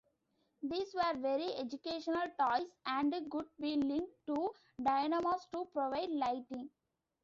These were very educational toys, and could be linked to dynamos to provide lighting.